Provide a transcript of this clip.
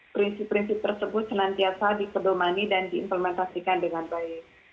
prinsip prinsip tersebut senantiasa dipedomani dan diimplementasikan dengan baik